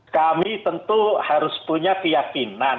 kami tentu harus punya keyakinan